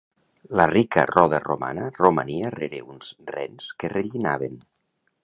La rica roda romana romania rere uns rens que renillaven.